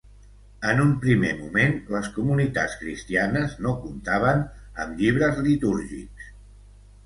En un primer moment les comunitats cristianes no comptaven amb llibres litúrgics.